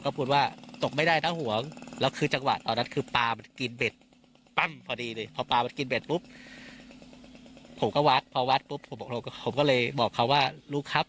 กลับบ้านอืมคือบ้านนั้นแล้วก็ปล่อยเลยต้องปล่อยปล่อยนะครับ